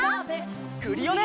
クリオネ！